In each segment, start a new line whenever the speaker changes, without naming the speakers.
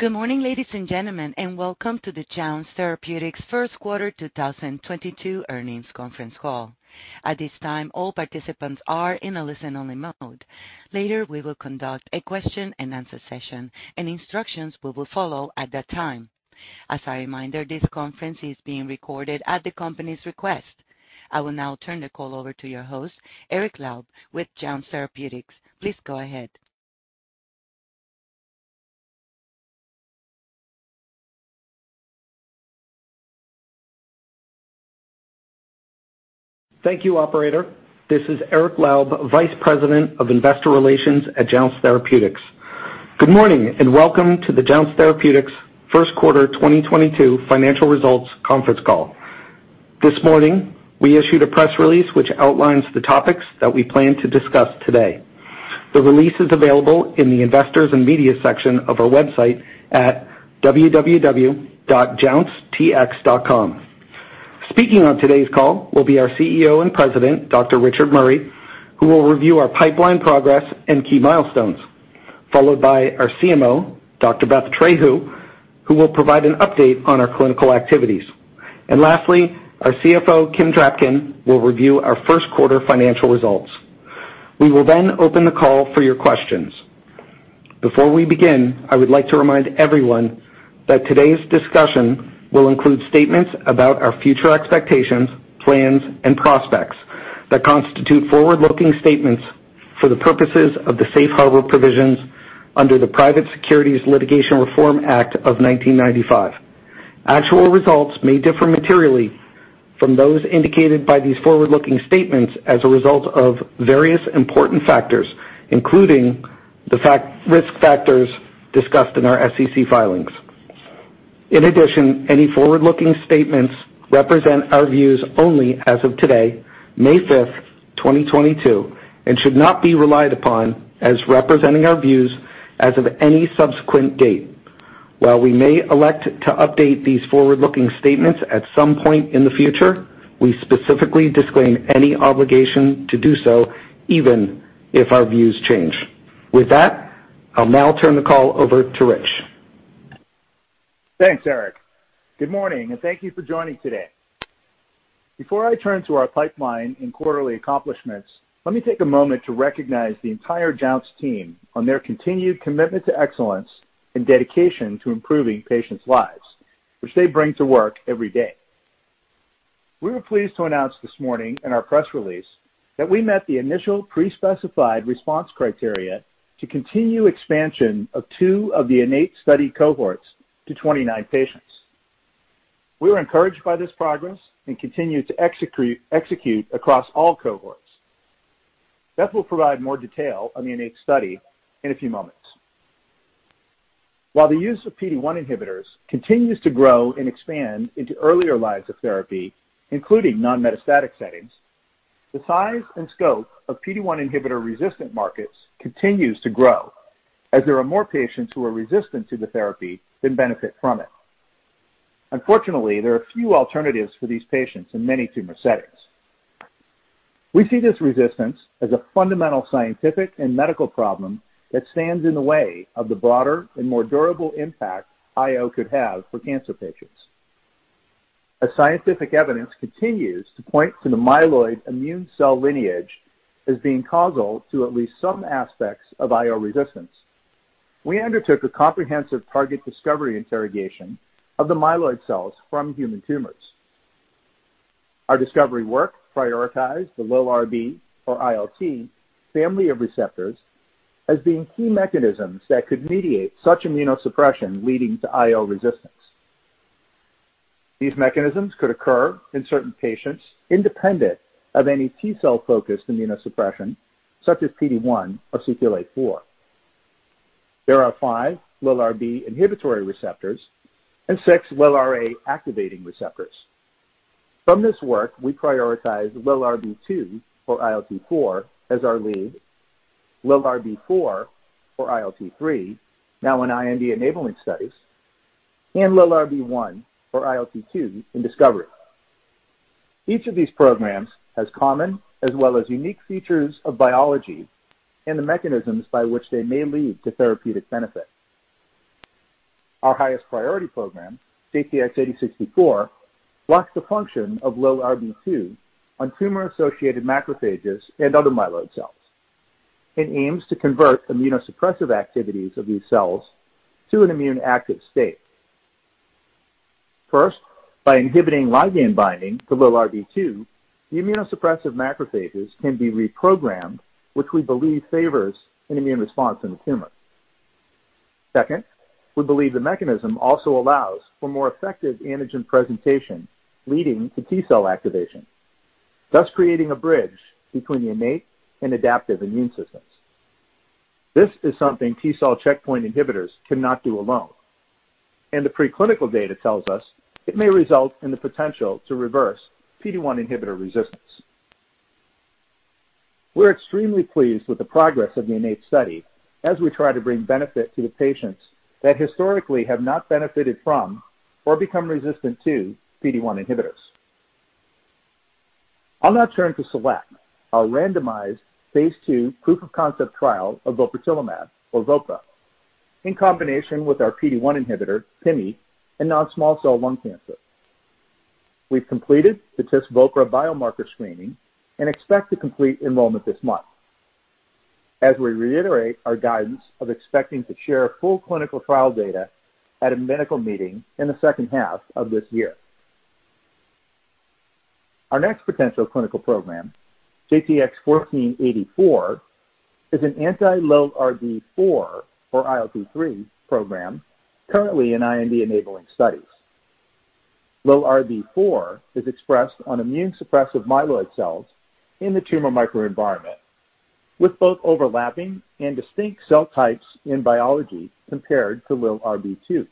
Good morning, ladies and gentlemen, and welcome to the Jounce Therapeutics Q12022 earnings conference call. At this time, all participants are in a listen-only mode. Later, we will conduct a question-and-answer session, and instructions will follow at that time. As a reminder, this conference is being recorded at the company's request. I will now turn the call over to your host, Eric Laub, with Jounce Therapeutics. Please go ahead.
Thank you, operator. This is Eric Laub, Vice President of Investor Relations at Jounce Therapeutics. Good morning, and welcome to the Jounce Therapeutics Q1 2022 financial results conference call. This morning, we issued a press release which outlines the topics that we plan to discuss today. The release is available in the Investors and Media section of our website at www.jouncetx.com. Speaking on today's call will be our CEO and President, Dr. Richard Murray, who will review our pipeline progress and key milestones, followed by our CMO, Dr. Beth Trehu, who will provide an update on our clinical activities. Lastly, our CFO, Kim Drapkin, will review our Q1 financial results. We will then open the call for your questions. Before we begin, I would like to remind everyone that today's discussion will include statements about our future expectations, plans, and prospects that constitute forward-looking statements for the purposes of the safe harbor provisions under the Private Securities Litigation Reform Act of 1995. Actual results may differ materially from those indicated by these forward-looking statements as a result of various important factors, including risk factors discussed in our SEC filings. In addition, any forward-looking statements represent our views only as of today, May 5, 2022, and should not be relied upon as representing our views as of any subsequent date. While we may elect to update these forward-looking statements at some point in the future, we specifically disclaim any obligation to do so, even if our views change. With that, I'll now turn the call over to Rich.
Thanks, Eric. Good morning, and thank you for joining today. Before I turn to our pipeline and quarterly accomplishments, let me take a moment to recognize the entire Jounce team on their continued commitment to excellence and dedication to improving patients' lives, which they bring to work every day. We were pleased to announce this morning in our press release that we met the initial pre-specified response criteria to continue expansion of two of the INNATE study cohorts to 29 patients. We were encouraged by this progress and continue to execute across all cohorts. Beth will provide more detail on the INNATE study in a few moments. While the use of PD-1 inhibitors continues to grow and expand into earlier lines of therapy, including non-metastatic settings, the size and scope of PD-1 inhibitor-resistant markets continues to grow as there are more patients who are resistant to the therapy than benefit from it. Unfortunately, there are few alternatives for these patients in many tumor settings. We see this resistance as a fundamental scientific and medical problem that stands in the way of the broader and more durable impact IO could have for cancer patients. As scientific evidence continues to point to the myeloid immune cell lineage as being causal to at least some aspects of IO resistance, we undertook a comprehensive target discovery interrogation of the myeloid cells from human tumors. Our discovery work prioritized the LILRB or ILT family of receptors as being key mechanisms that could mediate such immunosuppression leading to IO resistance. These mechanisms could occur in certain patients independent of any T-cell-focused immunosuppression, such as PD-1 or CTLA4. There are five LILRB inhibitory receptors and six LILRA activating receptors. From this work, we prioritize LILRB2 or ILT4 as our lead, LILRB4 or ILT3, now in IND-enabling studies, and LILRB1, or ILT2, in discovery. Each of these programs has common as well as unique features of biology and the mechanisms by which they may lead to therapeutic benefit. Our highest priority program, JTX-8064, blocks the function of LILRB2 on tumor-associated macrophages and other myeloid cells. It aims to convert immunosuppressive activities of these cells to an immune-active state. First, by inhibiting ligand binding to LILRB2, the immunosuppressive macrophages can be reprogrammed, which we believe favors an immune response in the tumor. Second, we believe the mechanism also allows for more effective antigen presentation leading to T-cell activation, thus creating a bridge between the innate and adaptive immune systems. This is something T-cell checkpoint inhibitors cannot do alone, and the preclinical data tells us it may result in the potential to reverse PD-1 inhibitor resistance. We're extremely pleased with the progress of the INNATE study as we try to bring benefit to the patients that historically have not benefited from or become resistant to PD-1 inhibitors. I'll now turn to SELECT, our randomized Phase II proof-of-concept trial of vopratelimab, or vopratelimab, in combination with our PD-1 inhibitor, pimivalimab, in non-small cell lung cancer. We've completed the TISvopra biomarker screening and expect to complete enrollment this month, as we reiterate our guidance of expecting to share full clinical trial data at a medical meeting in the second half of this year. Our next potential clinical program, JTX-1484, is an anti-LILRB4 or ILT3 program currently in IND-enabling studies. LILRB4 is expressed on immune-suppressive myeloid cells in the tumor microenvironment, with both overlapping and distinct cell types in biology compared to LILRB2.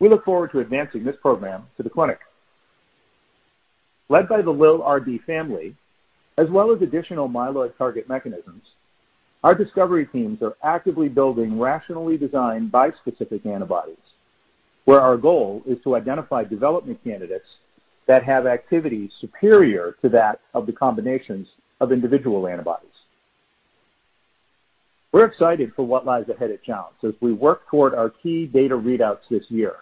We look forward to advancing this program to the clinic. Led by the LILRB family, as well as additional myeloid target mechanisms, our discovery teams are actively building rationally designed bispecific antibodies, where our goal is to identify development candidates that have activity superior to that of the combinations of individual antibodies. We're excited for what lies ahead at Jounce as we work toward our key data readouts this year.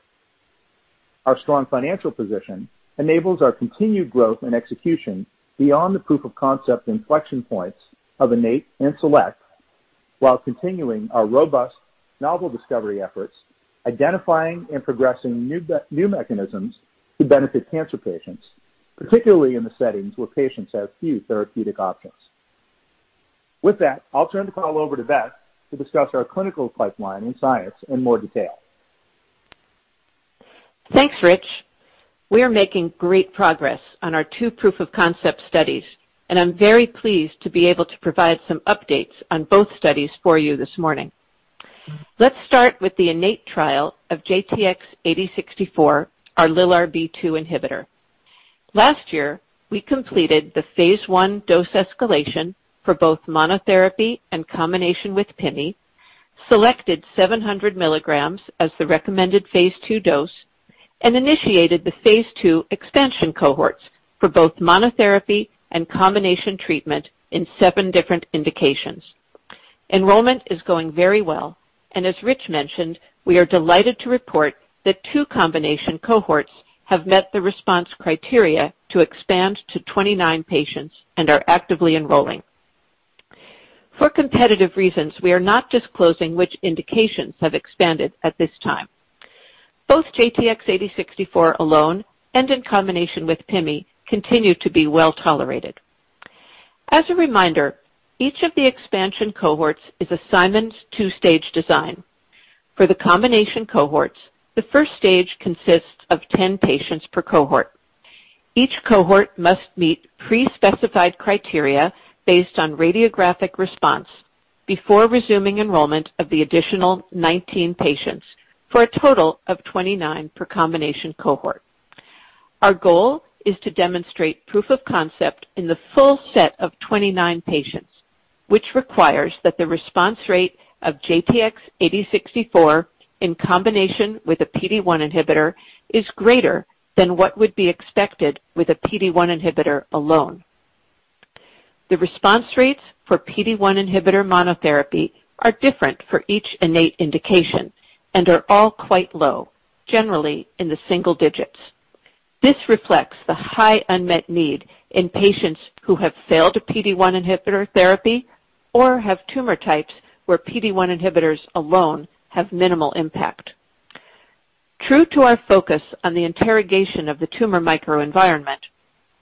Our strong financial position enables our continued growth and execution beyond the proof-of-concept inflection points of INNATE and SELECT, while continuing our robust novel discovery efforts, identifying and progressing new mechanisms to benefit cancer patients, particularly in the settings where patients have few therapeutic options. With that, I'll turn the call over to Beth to discuss our clinical pipeline and science in more detail.
Thanks, Rich. We are making great progress on our two proof-of-concept studies, and I'm very pleased to be able to provide some updates on both studies for you this morning. Let's start with the INNATE trial of JTX-8064, our LILRB2 inhibitor. Last year, we completed the phase I dose escalation for both monotherapy and combination with PIMI, selected 700 milligrams as the recommended phase II dose, and initiated the phase II expansion cohorts for both monotherapy and combination treatment in seven different indications. Enrollment is going very well, and as Rich mentioned, we are delighted to report that two combination cohorts have met the response criteria to expand to 29 patients and are actively enrolling. For competitive reasons, we are not disclosing which indications have expanded at this time. Both JTX-8064 alone and in combination with PIMI continue to be well-tolerated. As a reminder, each of the expansion cohorts is assigned two-stage design. For the combination cohorts, the first stage consists of 10 patients per cohort. Each cohort must meet pre-specified criteria based on radiographic response before resuming enrollment of the additional 19 patients for a total of 29 per combination cohort. Our goal is to demonstrate proof of concept in the full set of 29 patients, which requires that the response rate of JTX-8064 in combination with a PD-1 inhibitor is greater than what would be expected with a PD-1 inhibitor alone. The response rates for PD-1 inhibitor monotherapy are different for each INNATE indication and are all quite low, generally in the single digits. This reflects the high unmet need in patients who have failed a PD-1 inhibitor therapy or have tumor types where PD-1 inhibitors alone have minimal impact. True to our focus on the interrogation of the tumor microenvironment,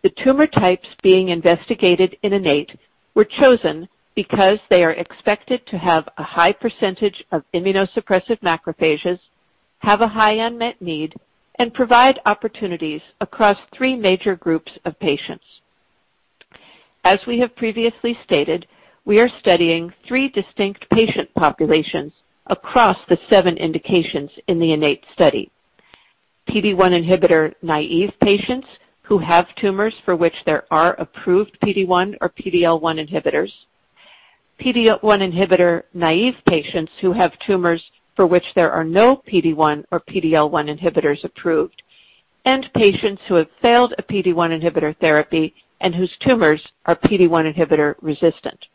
the tumor types being investigated in INNATE were chosen because they are expected to have a high percentage of immunosuppressive macrophages, have a high unmet need, and provide opportunities across three major groups of patients. As we have previously stated, we are studying three distinct patient populations across the seven indications in the INNATE study. PD-1 inhibitor-naive patients who have tumors for which there are approved PD-1 or PD-L1 inhibitors, PD-L1 inhibitor-naive patients who have tumors for which there are no PD-1 or PD-L1 inhibitors approved, and patients who have failed a PD-1 inhibitor therapy and whose tumors are PD-1 inhibitor resistant.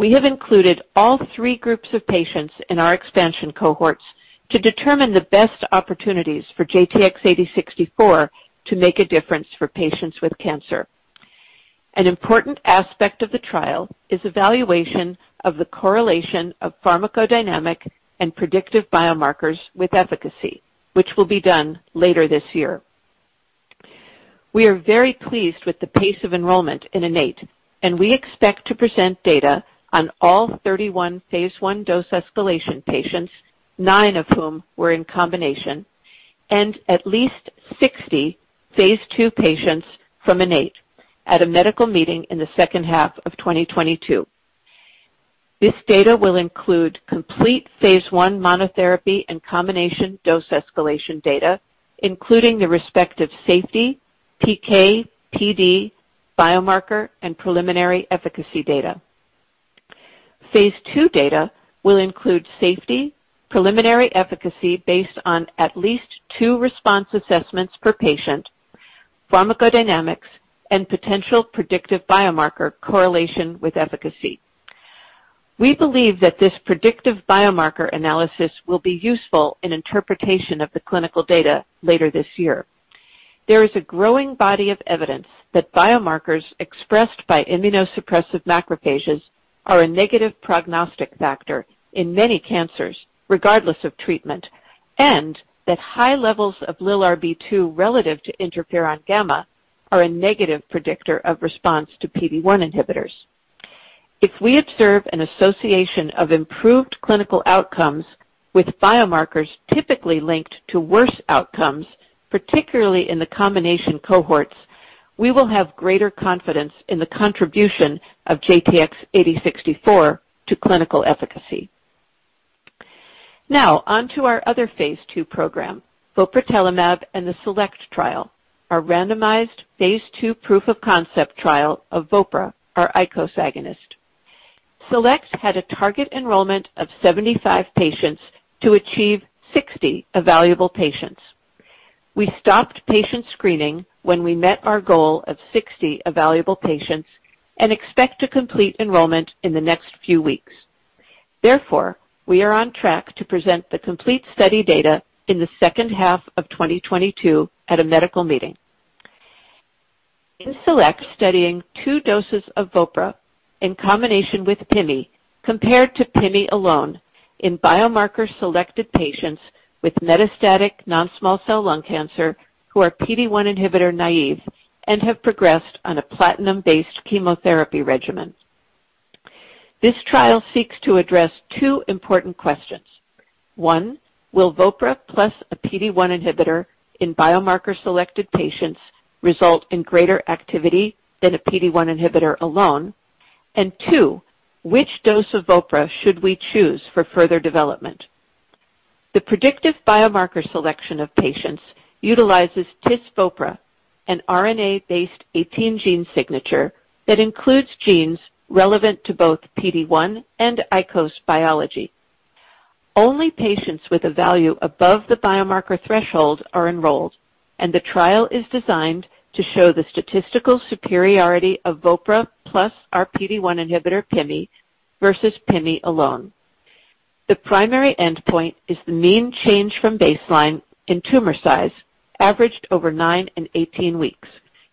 We have included all three groups of patients in our expansion cohorts to determine the best opportunities for JTX-8064 to make a difference for patients with cancer. An important aspect of the trial is evaluation of the correlation of pharmacodynamic and predictive biomarkers with efficacy, which will be done later this year. We are very pleased with the pace of enrollment in INNATE, and we expect to present data on all 31 phase I dose escalation patients, 9 of whom were in combination, and at least 60 phase II patients from INNATE at a medical meeting in the second half of 2022. This data will include complete phase I monotherapy and combination dose escalation data, including the respective safety, PK, PD, biomarker, and preliminary efficacy data. Phase II data will include safety, preliminary efficacy based on at least 2 response assessments per patient, pharmacodynamics, and potential predictive biomarker correlation with efficacy. We believe that this predictive biomarker analysis will be useful in interpretation of the clinical data later this year. There is a growing body of evidence that biomarkers expressed by immunosuppressive macrophages are a negative prognostic factor in many cancers, regardless of treatment, and that high levels of LILRB2 relative to interferon gamma are a negative predictor of response to PD-1 inhibitors. If we observe an association of improved clinical outcomes with biomarkers typically linked to worse outcomes, particularly in the combination cohorts, we will have greater confidence in the contribution of JTX-8064 to clinical efficacy. Now on to our other phase 2 program, vopratelimab and the SELECT trial, a randomized phase 2 proof of concept trial of vopra, our ICOS agonist. SELECT had a target enrollment of 75 patients to achieve 60 evaluable patients. We stopped patient screening when we met our goal of 60 evaluable patients and expect to complete enrollment in the next few weeks. Therefore, we are on track to present the complete study data in the second half of 2022 at a medical meeting. In SELECT, studying two doses of vopra in combination with pimi, compared to pimi alone in biomarker selected patients with metastatic non-small cell lung cancer who are PD-1 inhibitor naive and have progressed on a platinum-based chemotherapy regimen. This trial seeks to address two important questions. One, will vopra plus a PD-1 inhibitor in biomarker selected patients result in greater activity than a PD-1 inhibitor alone? Two, which dose of vopra should we choose for further development? The predictive biomarker selection of patients utilizes TISvopra, an RNA-based 18-gene signature that includes genes relevant to both PD-1 and ICOS biology. Only patients with a value above the biomarker threshold are enrolled, and the trial is designed to show the statistical superiority of Vopra plus our PD-1 inhibitor PIMI versus PIMI alone. The primary endpoint is the mean change from baseline in tumor size averaged over 9 and 18 weeks.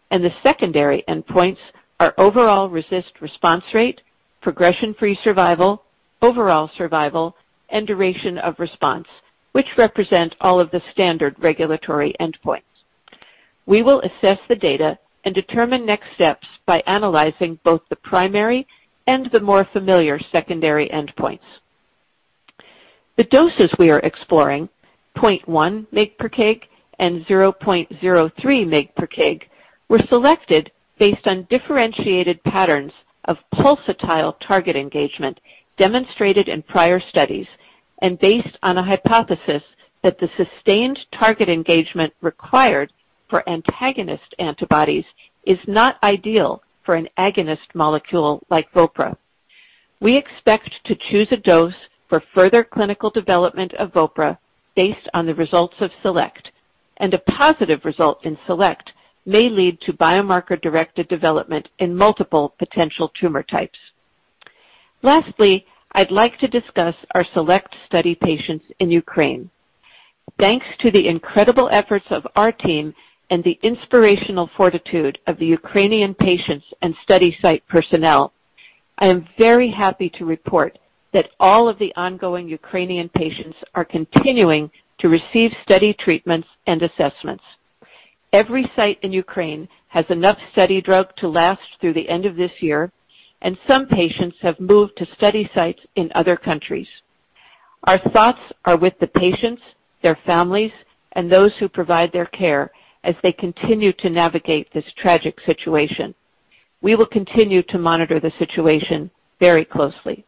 The secondary endpoints are overall response rate, progression-free survival, overall survival, and duration of response, which represent all of the standard regulatory endpoints. We will assess the data and determine next steps by analyzing both the primary and the more familiar secondary endpoints. The doses we are exploring, 0.1 mg per kg and 0.03 mg per kg, were selected based on differentiated patterns of pulsatile target engagement demonstrated in prior studies and based on a hypothesis that the sustained target engagement required for antagonist antibodies is not ideal for an agonist molecule like Vopra. We expect to choose a dose for further clinical development of Vopra based on the results of SELECT, and a positive result in SELECT may lead to biomarker-directed development in multiple potential tumor types. Lastly, I'd like to discuss our SELECT study patients in Ukraine. Thanks to the incredible efforts of our team and the inspirational fortitude of the Ukrainian patients and study site personnel, I am very happy to report that all of the ongoing Ukrainian patients are continuing to receive study treatments and assessments. Every site in Ukraine has enough study drug to last through the end of this year, and some patients have moved to study sites in other countries. Our thoughts are with the patients, their families, and those who provide their care as they continue to navigate this tragic situation. We will continue to monitor the situation very closely.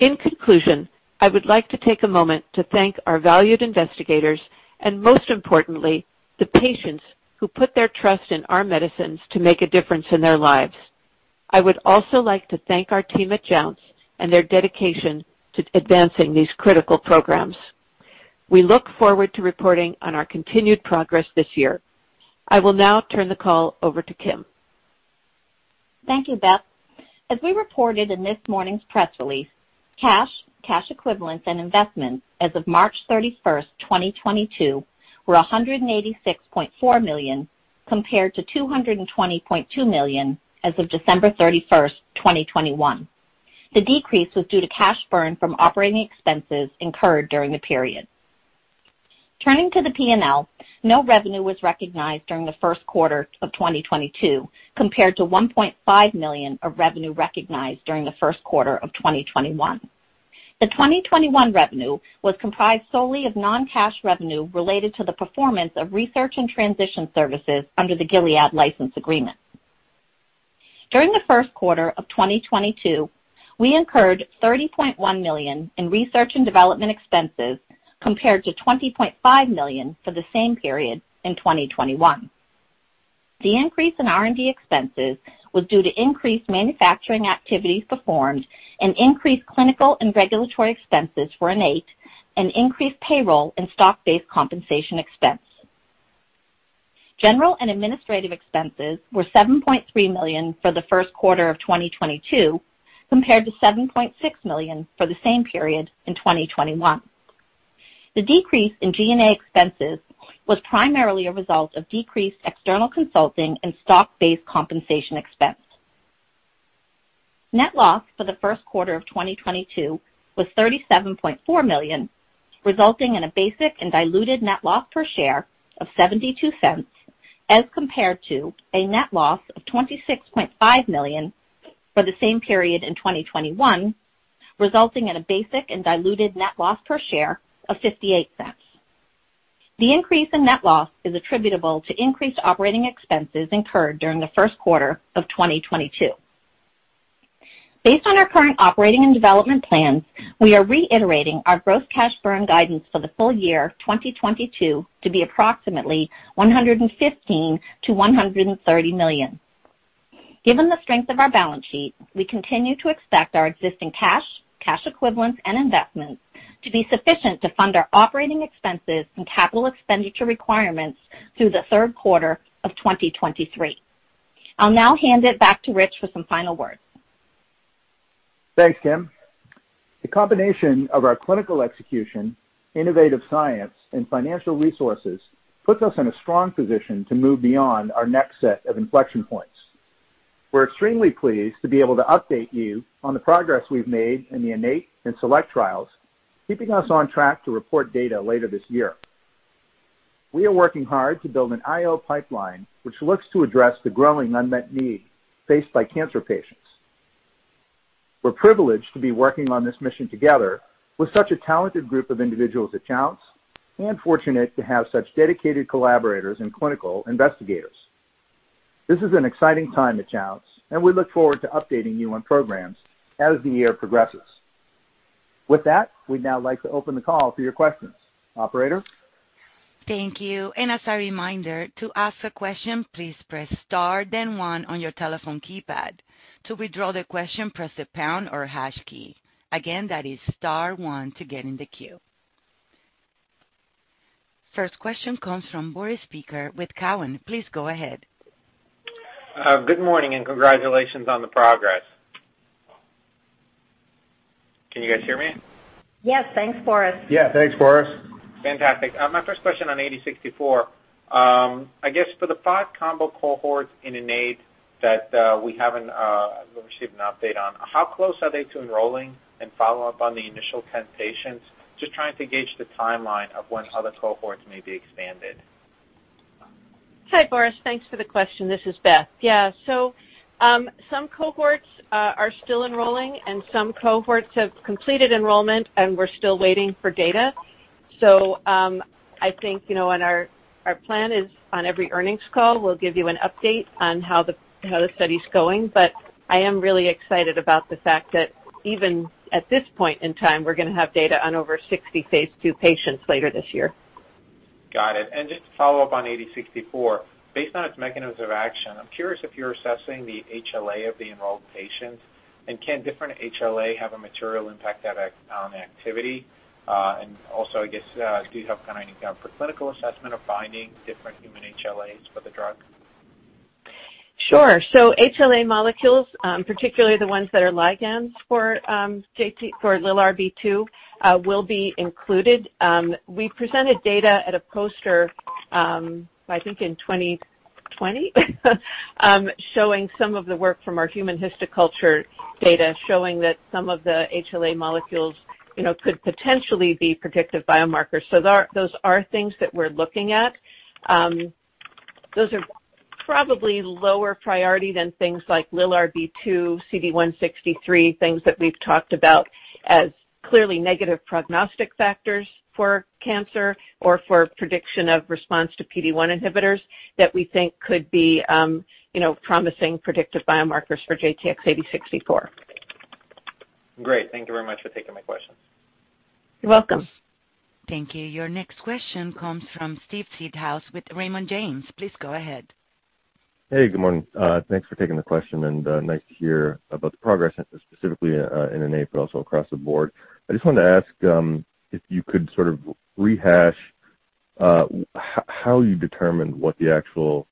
In conclusion, I would like to take a moment to thank our valued investigators and most importantly, the patients who put their trust in our medicines to make a difference in their lives. I would also like to thank our team at Jounce and their dedication to advancing these critical programs. We look forward to reporting on our continued progress this year. I will now turn the call over to Kim.
Thank you, Beth. As we reported in this morning's press release, cash equivalents and investments as of March 31, 2022 were $186.4 million, compared to $220.2 million as of December 31, 2021. The decrease was due to cash burn from operating expenses incurred during the period. Turning to the P&L, no revenue was recognized during the Q1 of 2022, compared to $1.5 million of revenue recognized during the Q1 of 2021. The 2021 revenue was comprised solely of non-cash revenue related to the performance of research and transition services under the Gilead license agreement. During the Q1 of 2022, we incurred $30.1 million in research and development expenses, compared to $20.5 million for the same period in 2021. The increase in R&D expenses was due to increased manufacturing activities performed and increased clinical and regulatory expenses for INNATE and increased payroll and stock-based compensation expense. General and administrative expenses were $7.3 million for the first quarter of 2022 compared to $7.6 million for the same period in 2021. The decrease in G&A expenses was primarily a result of decreased external consulting and stock-based compensation expense. Net loss for the Q1 of 2022 was $37.4 million, resulting in a basic and diluted net loss per share of $0.72, as compared to a net loss of $26.5 million for the same period in 2021, resulting in a basic and diluted net loss per share of $0.58. The increase in net loss is attributable to increased operating expenses incurred during the Q1 of 2022. Based on our current operating and development plans, we are reiterating our gross cash burn guidance for the full year 2022 to be approximately $115 million-$130 million. Given the strength of our balance sheet, we continue to expect our existing cash equivalents and investments to be sufficient to fund our operating expenses and capital expenditure requirements through the third quarter of 2023. I'll now hand it back to Rich for some final words.
Thanks, Kim. The combination of our clinical execution, innovative science, and financial resources puts us in a strong position to move beyond our next set of inflection points. We're extremely pleased to be able to update you on the progress we've made in the INNATE and SELECT trials, keeping us on track to report data later this year. We are working hard to build an IO pipeline which looks to address the growing unmet need faced by cancer patients. We're privileged to be working on this mission together with such a talented group of individuals at Jounce, and fortunate to have such dedicated collaborators and clinical investigators. This is an exciting time at Jounce, and we look forward to updating you on programs as the year progresses. With that, we'd now like to open the call to your questions. Operator?
Thank you. As a reminder, to ask a question, please press Star-One on your telephone keypad. To withdraw the question, press the Pound or Hash key. Again, that is Star-One to get in the queue. First question comes from Boris Peaker with Cowen. Please go ahead.
Good morning and congratulations on the progress. Can you guys hear me?
Yes. Thanks, Boris.
Yeah. Thanks, Boris.
Fantastic. My first question on JTX-8064. I guess for the 5 combo cohorts in INNATE that we haven't received an update on, how close are they to enrolling and follow up on the initial 10 patients? Just trying to gauge the timeline of when other cohorts may be expanded.
Hi, Boris. Thanks for the question. This is Beth. Yeah, some cohorts are still enrolling, and some cohorts have completed enrollment, and we're still waiting for data. I think, you know, our plan is on every earnings call, we'll give you an update on how the study's going. I am really excited about the fact that even at this point in time, we're gonna have data on over 60 phase 2 patients later this year.
Got it. Just to follow up on JTX-8064, based on its mechanisms of action, I'm curious if you're assessing the HLA of the enrolled patients, and can different HLA have a material impact on activity? Also, I guess, do you have kind of any kind of preclinical assessment of finding different human HLAs for the drug?
Sure. HLA molecules, particularly the ones that are ligands for LILRB2, will be included. We presented data at a poster, I think in 2020, showing some of the work from our human histoculture data showing that some of the HLA molecules, you know, could potentially be predictive biomarkers. Those are things that we're looking at. Those are probably lower priority than things like LILRB2, CD163, things that we've talked about as clearly negative prognostic factors for cancer or for prediction of response to PD-1 inhibitors that we think could be, you know, promising predictive biomarkers for JTX-8064.
Great. Thank you very much for taking my questions.
You're welcome.
Thank you. Your next question comes from Steven Seedhouse with Raymond James. Please go ahead.
Hey, good morning. Thanks for taking the question and, nice to hear about the progress specifically, in INNATE, but also across the board. I just wanted to ask, if you could sort of rehash, how you determined what the actual,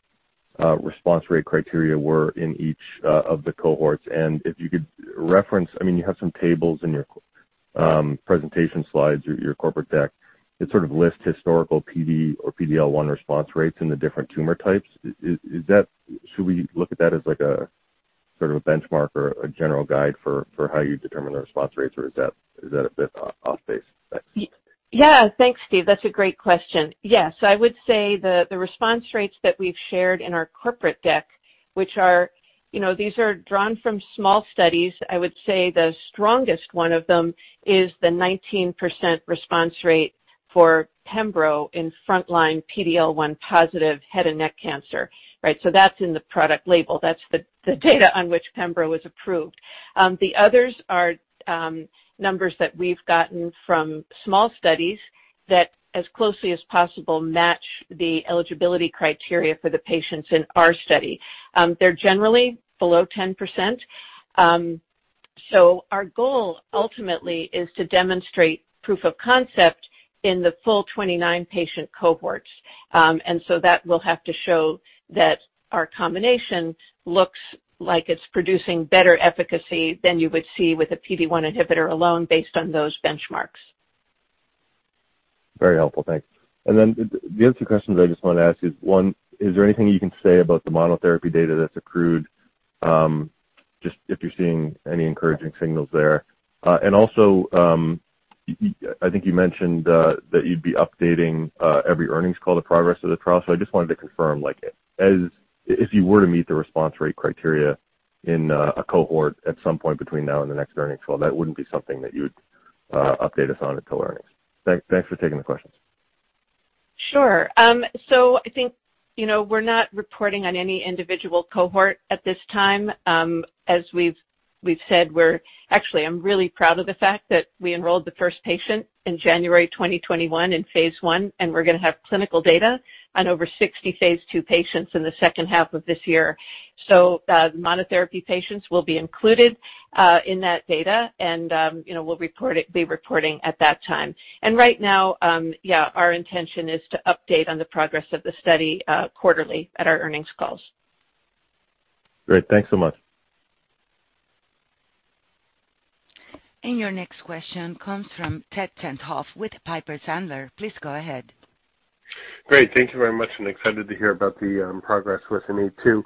response rate criteria were in each, of the cohorts. If you could reference. I mean, you have some tables in your, presentation slides, your corporate deck. It sort of lists historical PD or PD-L1 response rates in the different tumor types. Is that, Should we look at that as like a sort of a benchmark or a general guide for how you determine the response rates, or is that a bit off base?
Yeah. Thanks, Steve. That's a great question. Yeah, so I would say the response rates that we've shared in our corporate deck, which are, you know, these are drawn from small studies. I would say the strongest one of them is the 19% response rate for pembrolizumab in frontline PD-L1 positive head and neck cancer, right? That's in the product label. That's the data on which pembrolizumab was approved. The others are numbers that we've gotten from small studies that as closely as possible match the eligibility criteria for the patients in our study. They're generally below 10%. Our goal ultimately is to demonstrate proof of concept in the full 29 patient cohorts. That will have to show that our combination looks like it's producing better efficacy than you would see with a PD-1 inhibitor alone based on those benchmarks.
Very helpful. Thanks. The other two questions I just want to ask is, one, is there anything you can say about the monotherapy data that's accrued? Just if you're seeing any encouraging signals there. And also, I think you mentioned that you'd be updating every earnings call the progress of the trial. I just wanted to confirm, like, if you were to meet the response rate criteria in a cohort at some point between now and the next earnings call, that wouldn't be something that you would update us on until earnings. Thanks for taking the questions.
Sure. I think, you know, we're not reporting on any individual cohort at this time. As we've said, actually, I'm really proud of the fact that we enrolled the first patient in January 2021 in phase one, and we're gonna have clinical data on over 60 phase two patients in the second half of this year. Monotherapy patients will be included in that data, and, you know, we'll be reporting at that time. Right now, our intention is to update on the progress of the study quarterly at our earnings calls.
Great. Thanks so much.
Your next question comes from Ted Tenthoff with Piper Sandler. Please go ahead.
Great. Thank you very much and excited to hear about the progress with INNATE-2.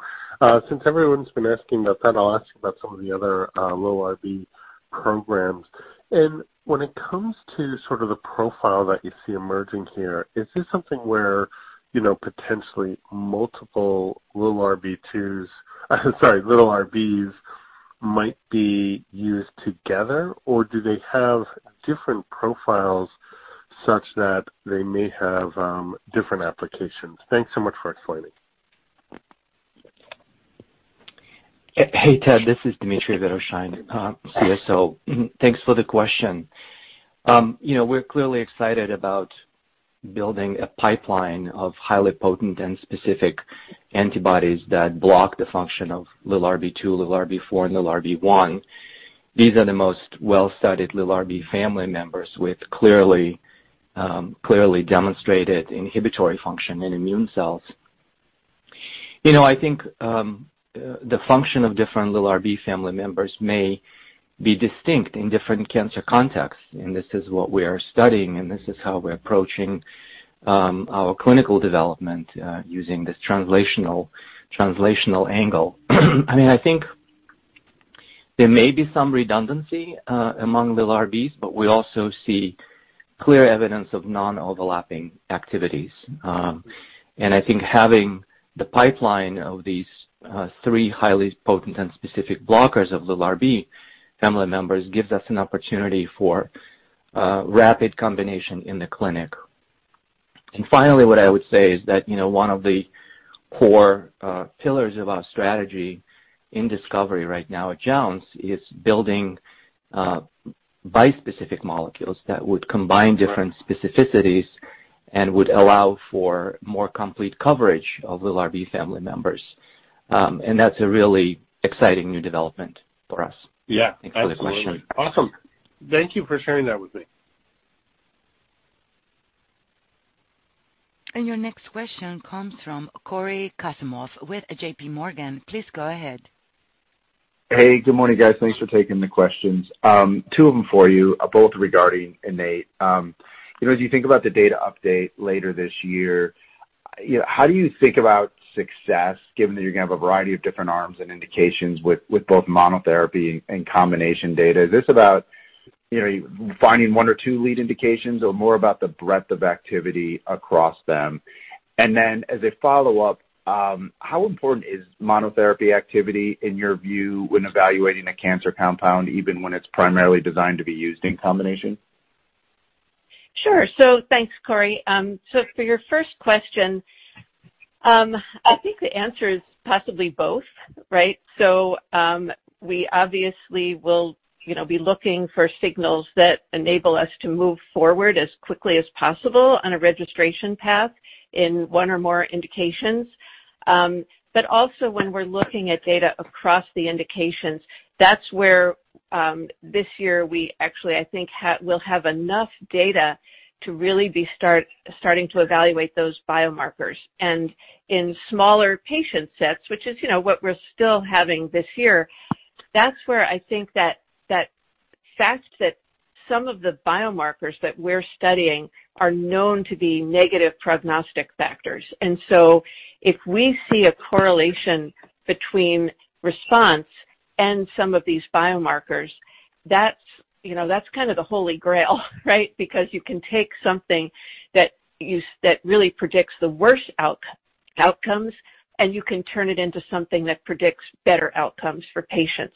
Since everyone's been asking about that, I'll ask about some of the other LILRB programs. When it comes to sort of the profile that you see emerging here, is this something where, you know, potentially multiple LILRB2s, sorry, LILRBs might be used together, or do they have different profiles such that they may have different applications? Thanks so much for explaining.
Hey, Ted, this is Dmitri Wiederschain, CSO. Thanks for the question. You know, we're clearly excited about building a pipeline of highly potent and specific antibodies that block the function of LILRB2, LILRB4, and LILRB1. These are the most well-studied LILRB family members with clearly demonstrated inhibitory function in immune cells. You know, I think the function of different LILRB family members may be distinct in different cancer contexts, and this is what we are studying, and this is how we're approaching our clinical development using this translational angle. I mean, I think there may be some redundancy among LILRBs, but we also see clear evidence of non-overlapping activities. I think having the pipeline of these three highly potent and specific blockers of LILRB family members gives us an opportunity for rapid combination in the clinic. Finally, what I would say is that, you know, one of the core pillars of our strategy in discovery right now at Jounce is building bispecific molecules that would combine different specificities and would allow for more complete coverage of LILRB family members. That's a really exciting new development for us.
Yeah, absolutely.
Thanks for the question.
Awesome. Thank you for sharing that with me.
Your next question comes from Cory Kasimov with JP Morgan. Please go ahead.
Hey, good morning, guys. Thanks for taking the questions. Two of them for you, both regarding INNATE. You know, as you think about the data update later this year, you know, how do you think about success given that you're gonna have a variety of different arms and indications with both monotherapy and combination data? Is this about, you know, finding one or two lead indications or more about the breadth of activity across them? As a follow-up, how important is monotherapy activity in your view when evaluating a cancer compound, even when it's primarily designed to be used in combination?
Sure. Thanks, Corey. For your first question, I think the answer is possibly both, right? We obviously will, you know, be looking for signals that enable us to move forward as quickly as possible on a registration path in one or more indications. But also when we're looking at data across the indications, that's where, this year we actually, I think, we'll have enough data to really be starting to evaluate those biomarkers. In smaller patient sets, which is, you know, what we're still having this year, that's where I think that fact that some of the biomarkers that we're studying are known to be negative prognostic factors. If we see a correlation between response and some of these biomarkers, that's, you know, that's kind of the holy grail, right? Because you can take something that really predicts the worst outcomes, and you can turn it into something that predicts better outcomes for patients.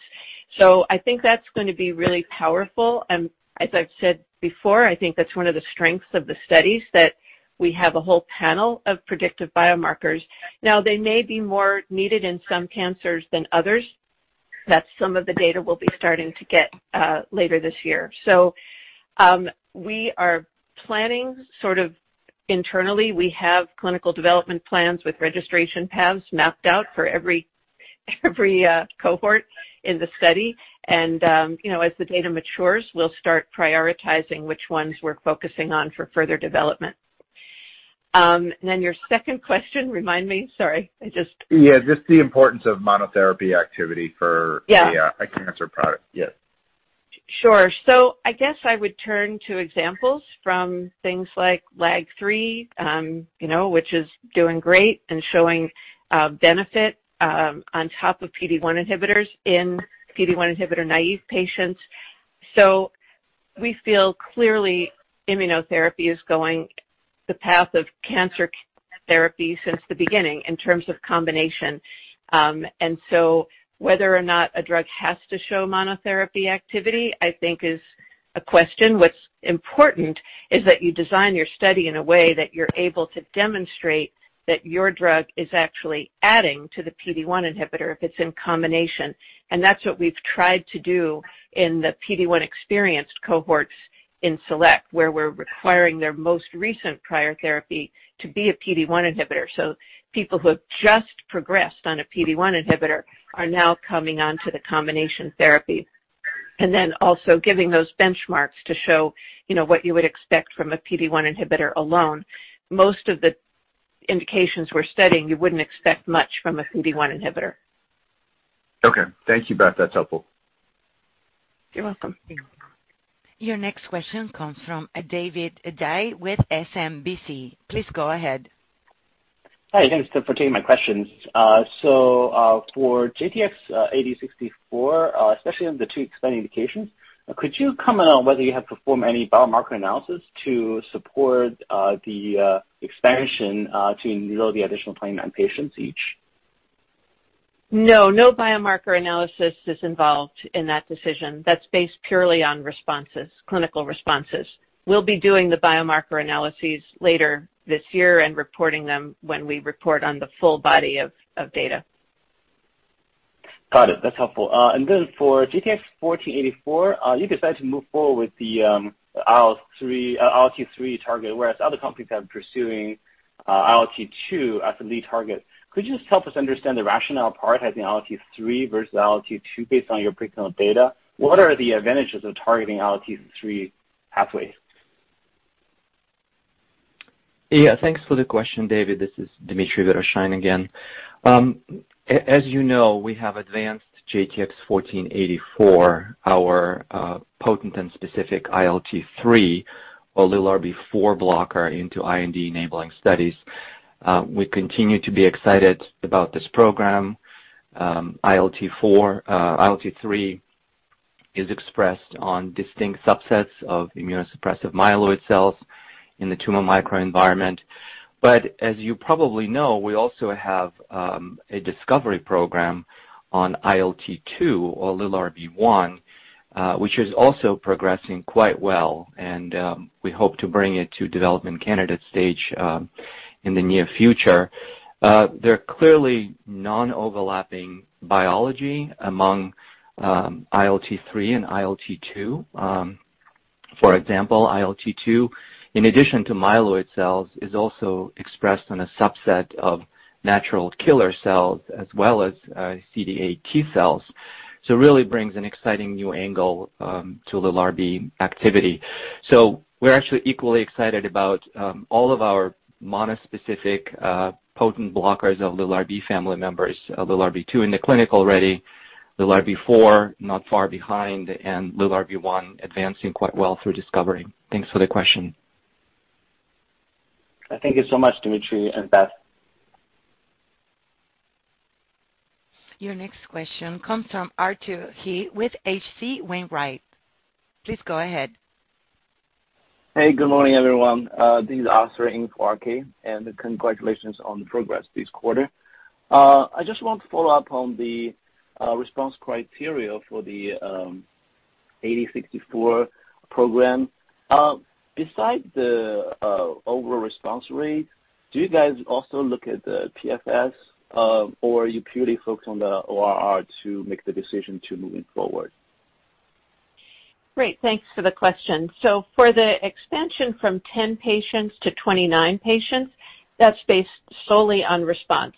I think that's gonna be really powerful, and as I've said before, I think that's one of the strengths of the studies, that we have a whole panel of predictive biomarkers. Now, they may be more needed in some cancers than others. That's some of the data we'll be starting to get later this year. We are planning sort of internally, we have clinical development plans with registration paths mapped out for every cohort in the study. You know, as the data matures, we'll start prioritizing which ones we're focusing on for further development. Then your second question, remind me. Sorry. I just.
Yeah. Just the importance of monotherapy activity for.
Yeah.
the cancer product. Yeah.
Sure. I guess I would turn to examples from things like LAG-3, you know, which is doing great and showing benefit on top of PD-1 inhibitors in PD-1 inhibitor naive patients. We feel clearly immunotherapy is going the path of cancer therapy since the beginning in terms of combination. Whether or not a drug has to show monotherapy activity, I think is a question. What's important is that you design your study in a way that you're able to demonstrate that your drug is actually adding to the PD-1 inhibitor if it's in combination. That's what we've tried to do in the PD-1 experienced cohorts in SELECT, where we're requiring their most recent prior therapy to be a PD-1 inhibitor. People who have just progressed on a PD-1 inhibitor are now coming onto the combination therapy. Giving those benchmarks to show, you know, what you would expect from a PD-1 inhibitor alone. Most of the indications we're studying, you wouldn't expect much from a PD-1 inhibitor.
Okay. Thank you, Beth. That's helpful.
You're welcome.
Your next question comes from David Dai with SMBC. Please go ahead.
Hi. Thanks for taking my questions. For JTX-8064, especially on the two expanded indications, could you comment on whether you have performed any biomarker analysis to support the expansion to enroll the additional 29 patients each?
No, no biomarker analysis is involved in that decision. That's based purely on responses, clinical responses. We'll be doing the biomarker analyses later this year and reporting them when we report on the full body of data.
Got it. That's helpful. For JTX-1484, you decide to move forward with the ILT3 target, whereas other companies have been pursuing ILT2 as the lead target. Could you just help us understand the rationale prioritizing ILT3 versus ILT2 based on your preclinical data? What are the advantages of targeting ILT3 pathway?
Yeah. Thanks for the question, David. This is Dmitri Wiederschain again. As you know, we have advanced JTX-1484, our potent and specific LILRB4 blocker, into IND enabling studies. We continue to be excited about this program. ILT3 is expressed on distinct subsets of immunosuppressive myeloid cells in the tumor microenvironment. As you probably know, we also have a discovery program on ILT2 or LILRB1, which is also progressing quite well, and we hope to bring it to development candidate stage in the near future. There are clearly non-overlapping biology among ILT3 and ILT2. For example, ILT2, in addition to myeloid cells, is also expressed on a subset of natural killer cells as well as CD8 T cells. Really brings an exciting new angle to LILRB activity. We're actually equally excited about all of our monospecific potent blockers of LILRB family members, LILRB2 in the clinic already, LILRB4 not far behind, and LILRB1 advancing quite well through discovery. Thanks for the question.
Thank you so much, Dmitri and Beth.
Your next question comes from Arthur He with H.C. Wainwright. Please go ahead.
Hey, good morning, everyone. This is Arthur He with H.C. Wainwright, and congratulations on the progress this quarter. I just want to follow up on the response criteria for the JTX-8064 program. Besides the overall response rate, do you guys also look at the PFS, or you purely focus on the ORR to make the decision to moving forward?
Great. Thanks for the question. For the expansion from 10 patients to 29 patients, that's based solely on response.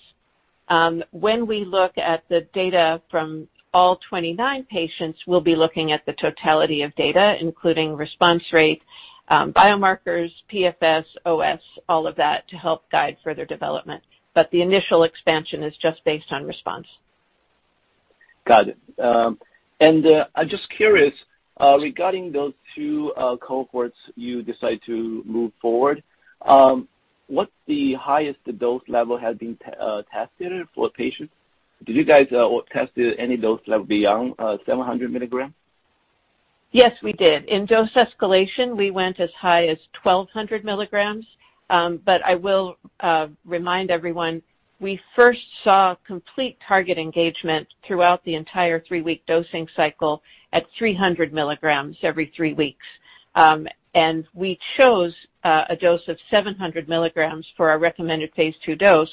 When we look at the data from all 29 patients, we'll be looking at the totality of data, including response rate, biomarkers, PFS, OS, all of that to help guide further development. The initial expansion is just based on response.
Got it. I'm just curious, regarding those two cohorts you decide to move forward, what's the highest dose level has been tested for patients? Did you guys test any dose level beyond 700 milligrams?
Yes, we did. In dose escalation, we went as high as 1200 milligrams. But I will remind everyone, we first saw complete target engagement throughout the entire three-week dosing cycle at 300 milligrams every three weeks. We chose a dose of 700 milligrams for our recommended phase two dose.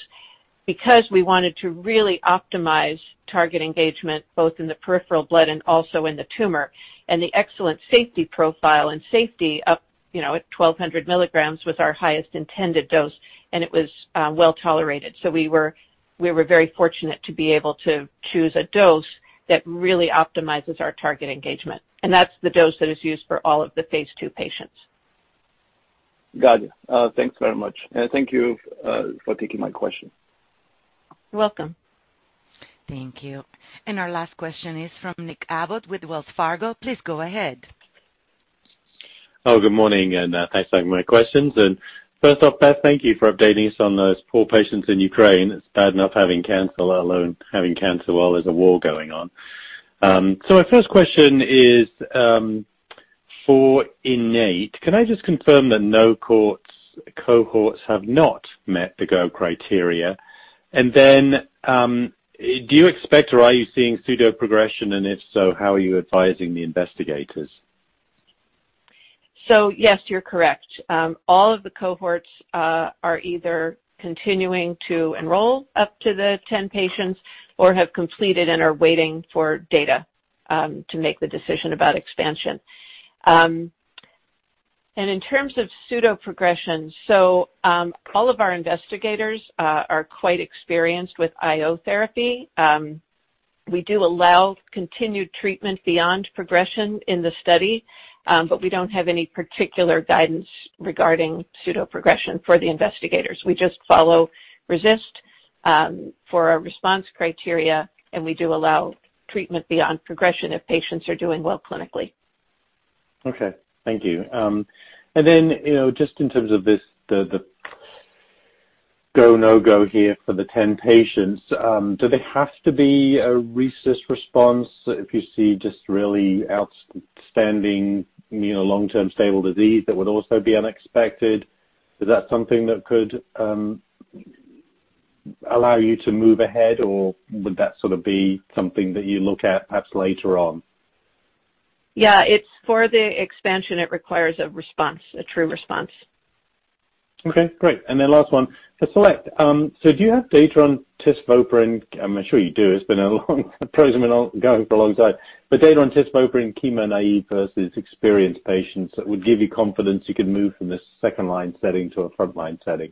Because we wanted to really optimize target engagement both in the peripheral blood and also in the tumor, and the excellent safety profile and safety of, you know, at 1200 milligrams was our highest intended dose, and it was well-tolerated. We were very fortunate to be able to choose a dose that really optimizes our target engagement. That's the dose that is used for all of the phase two patients.
Got it. Thanks very much. Thank you for taking my question.
You're welcome.
Thank you. Our last question is from Nick Abbott with Wells Fargo. Please go ahead.
Oh, good morning, and thanks for taking my questions. First off, Beth, thank you for updating us on those poor patients in Ukraine. It's bad enough having cancer, let alone having cancer while there's a war going on. My first question is for INNATE. Can I just confirm that no cohorts have not met the go criteria? Do you expect or are you seeing pseudo-progression? And if so, how are you advising the investigators?
Yes, you're correct. All of the cohorts are either continuing to enroll up to the 10 patients or have completed and are waiting for data to make the decision about expansion. In terms of pseudo progression, all of our investigators are quite experienced with IO therapy. We do allow continued treatment beyond progression in the study, but we don't have any particular guidance regarding pseudo progression for the investigators. We just follow RECIST for our response criteria, and we do allow treatment beyond progression if patients are doing well clinically.
Okay. Thank you. You know, just in terms of this, the go, no go here for the 10 patients, do they have to be a RECIST response if you see just really outstanding, you know, long-term stable disease that would also be unexpected? Is that something that could allow you to move ahead, or would that sort of be something that you look at perhaps later on?
Yeah, it's for the expansion. It requires a response, a true response.
Okay, great. Last one. For SELECT, do you have data on TISvopra? I'm sure you do. It's been a long time. The program has been going for a long time. Data on TISvopra, chemo-naive versus experienced patients that would give you confidence you could move from this second line setting to a front line setting.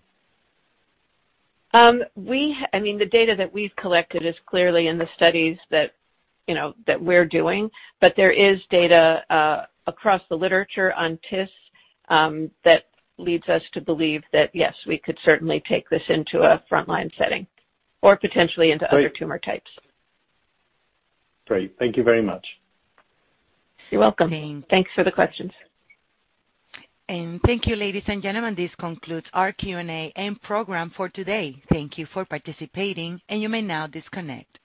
I mean, the data that we've collected is clearly in the studies that, you know, that we're doing. There is data across the literature on TIS that leads us to believe that, yes, we could certainly take this into a frontline setting or potentially into other tumor types.
Great. Thank you very much.
You're welcome.
Okay.
Thanks for the questions.
Thank you, ladies and gentlemen. This concludes our Q&A and program for today. Thank you for participating, and you may now disconnect.